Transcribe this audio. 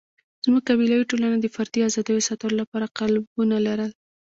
زموږ قبیلوي ټولنه د فردي آزادیو ساتلو لپاره قالبونه لرل.